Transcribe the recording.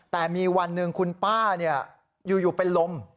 แต่มีวันหนึ่งคุณป้าอยู่เป็นลม